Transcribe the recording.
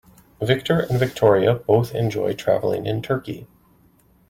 Victor and Victoria both enjoy traveling in Turkey.